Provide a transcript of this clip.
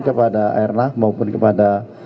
kepada airnav maupun kepada